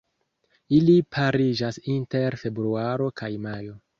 Ili pariĝas inter februaro kaj majo.